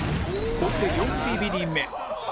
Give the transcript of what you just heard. これで４ビビリ目